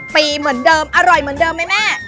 ปีเหมือนเดิมอร่อยเหมือนเดิมไหมแม่